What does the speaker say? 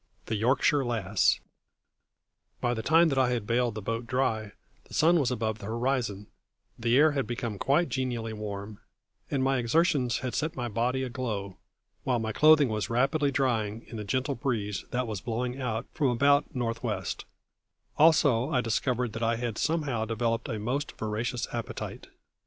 THE "YORKSHIRE LASS." By the time that I had baled the boat dry the sun was above the horizon, the air had become quite genially warm, and my exertions had set my body aglow, while my clothing was rapidly drying in the gentle breeze that was blowing out from about north west; also I discovered that I had somehow developed a most voracious appetite.